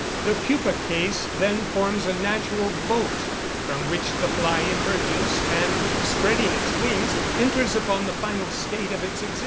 The pupa case then forms a natural boat, from which the fly emerges, and spreading its wings, enters upon the final state of its existence.